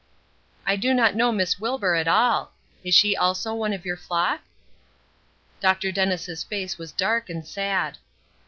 "I do not know Miss Wilbur at all. Is she also one of your flock?" Dr. Dennis' face was dark and sad.